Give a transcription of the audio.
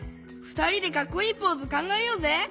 ふたりでかっこいいポーズかんがえようぜ！